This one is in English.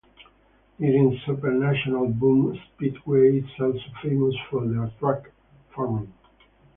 During SuperNationals Boone Speedway is also famous for their track "farming".